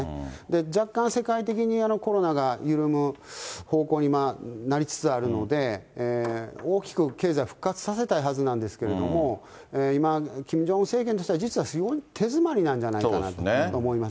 若干世界的にコロナが緩む方向になりつつあるので、大きく経済、復活させたいはずなんですけど、今、キム・ジョンウン政権としては、実はすごく手詰まりなんじゃないかなと思います。